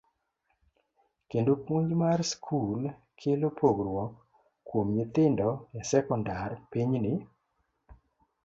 kendo puonj mar skul kelo pogruok kuom nyithindo e sekondar pinyni.